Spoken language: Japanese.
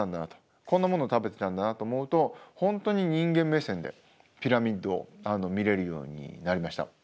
「こんなもの食べてたんだな」と思うと本当に人間目線でピラミッドを見れるようになりました。